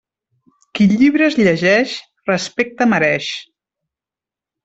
Qui llibres llegeix, respecte mereix.